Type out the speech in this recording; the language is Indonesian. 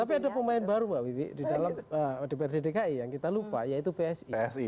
tapi ada pemain baru mbak wiwi di dalam dprd dki yang kita lupa yaitu psi